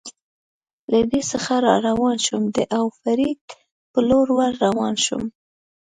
له ده څخه را روان شوم، د او فرید په لور ور روان شوم.